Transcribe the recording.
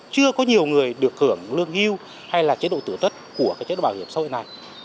chưa có nhiều người được hưởng lương hưu hay là chế độ tử tất của cái chế độ bảo hiểm xã hội này